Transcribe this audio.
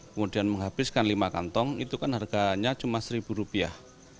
kemudian menghabiskan lima kantong itu kan harganya cuma seribu rupiah